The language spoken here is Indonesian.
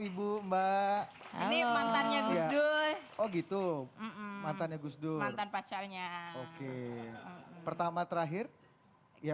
ibu mbak ini mantannya gusdur oh gitu mantannya gusdur mantan pacarnya oke pertama terakhir ya